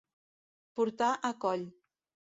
Portar a coll.